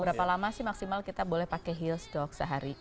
berapa lama sih maksimal kita boleh pakai heels dok sehari